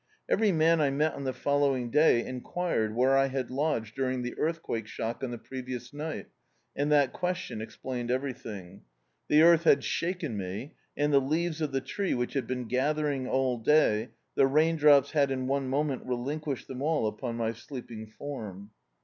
Every man I met on the fol lowing day enquired where I had lodged during the earthquake shock on the previous night, and that question explained ever]rthing. The earth had shaken me, and the leaves of the tree, which had been gathering all day, the rain drops had in raie m(Hncnt relinquished them all upon my sleeping form.